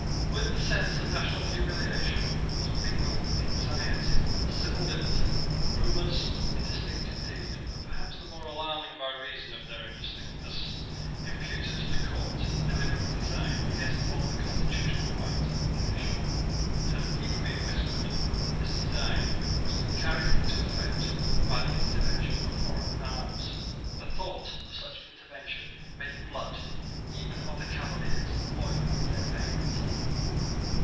With the sense of national humiliation was mingled anxiety for civil liberty. Rumours, indistinct indeed, but perhaps the more alarming by reason of their indistinctness, imputed to the court a deliberate design against all the constitutional rights of Englishmen. It had even been whispered that this design was to be carried into effect by the intervention of foreign arms. The thought of Such intervention made the blood, even of the Cavaliers, boil in their veins.